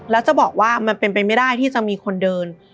แล้วจะบอกว่ามันเป็นไปไม่ได้ที่จะมีคนเดิน